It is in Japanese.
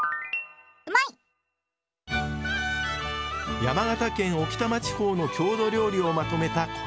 山形県置賜地方の郷土料理をまとめたこちらの本。